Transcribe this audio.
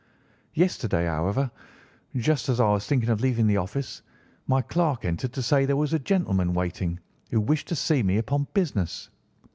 "Yesterday, however, just as I was thinking of leaving the office, my clerk entered to say there was a gentleman waiting who wished to see me upon business.